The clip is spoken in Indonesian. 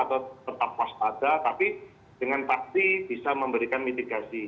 tetap waspada tapi dengan pasti bisa memberikan mitigasi